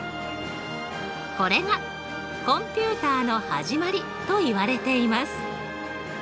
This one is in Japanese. これがコンピュータの始まりといわれています。